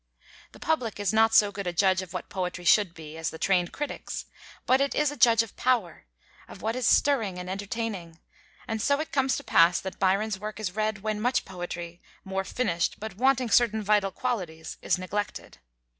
The public is not so good a judge of what poetry should be, as the trained critics; but it is a judge of power, of what is stirring and entertaining: and so it comes to pass that Byron's work is read when much poetry, more finished but wanting certain vital qualities, is neglected.